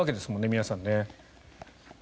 皆さんね。